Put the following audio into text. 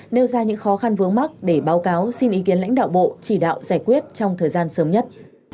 nêu ra những khó khăn vướng mắt để báo cáo xin ý kiến lãnh đạo bộ chỉ đạo giải quyết trong thời gian sớm nhất